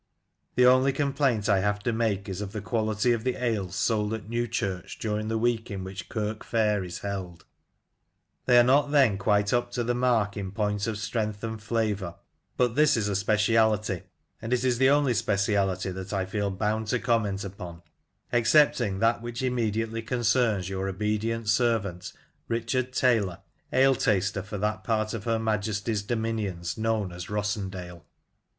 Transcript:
The only complaint I have to make is of the quality of the ales sold at Newchurch during the week in which Kirk Fair is held ; they are not then quite up to the mark in point of strength and flavour ; but this is a speci ality, and it is the only speciality that I feel bound to comment upon, excepting that which immediately concerns your obedient servant, Richard Taylor, ale taster for that part of her Majesty's dominions known as Rossendale." 24 Lancashire Characters and Places.